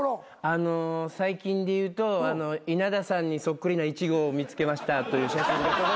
あの最近でいうと「稲田さんにそっくりなイチゴを見つけました」という写真が届いたり。